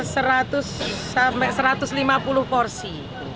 seratus sampai satu ratus lima puluh porsi